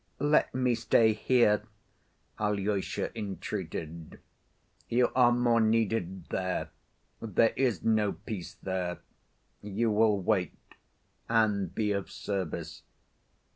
"Let me stay here," Alyosha entreated. "You are more needed there. There is no peace there. You will wait, and be of service.